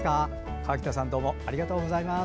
河北さんどうもありがとうございます。